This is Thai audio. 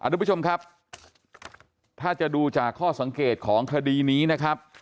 ทุกผู้ชมครับถ้าจะดูจากข้อสังเกตของคดีนี้นะครับ